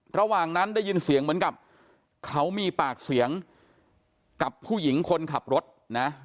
ระหว่างนั้นได้ยินเสียงเหมือนกับเขามีปากเสียงกับผู้หญิงคนขับรถนะ